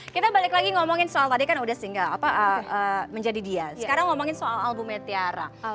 kita balik lagi ngomongin soal tadi kan udah single menjadi dia sekarang ngomongin soal albumnya tiara